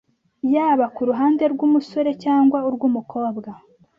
yaba ku ruhande rw’umusore cyangwa urw’umukobwa